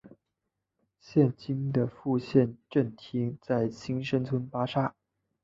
现今的副县政厅在新生村巴刹。